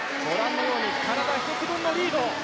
体１つ分のリード。